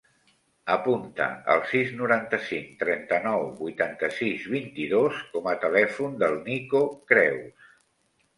Apunta el sis, noranta-cinc, trenta-nou, vuitanta-sis, vint-i-dos com a telèfon del Nico Creus.